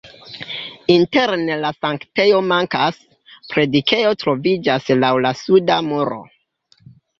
Interne la sanktejo mankas, predikejo troviĝas laŭ la suda muro.